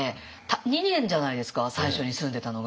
２年じゃないですか最初に住んでたのが。